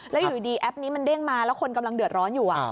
แล้วอยู่ดีแอปนี้มันเด้งมาแล้วคนกำลังเดือดร้อนอยู่